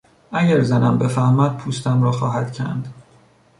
اگر زنم بفهمد پوستم را خواهد کند!